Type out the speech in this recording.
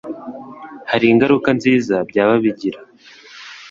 hari ingaruka nziza byaba bigira,